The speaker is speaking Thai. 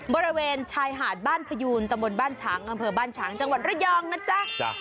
บริเวณชายหาดบ้านพยูนตะบนบ้านฉางอำเภอบ้านฉางจังหวัดระยองนะจ๊ะ